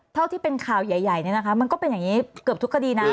เท่าที่เป็นข่าวใหญ่เนี่ยนะคะมันก็เป็นอย่างนี้เกือบทุกคดีนะ